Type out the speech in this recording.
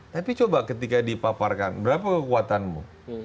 tapi coba ketika dipaparkan berapa kekuatanmu